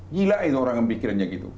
gila itu orang yang mikirnya gitu